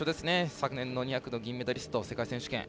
昨年の２００の銀メダリスト世界選手権。